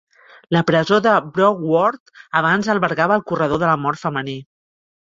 La presó de Broward abans albergava el corredor de la mort femení.